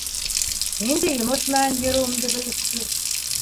Ниндәй йомош менән йөрөүемде белеште.